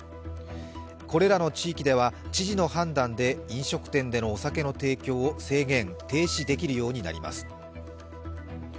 これらの地域では知事の判断で飲食店でのお酒の提供を制限、停止できるようになります。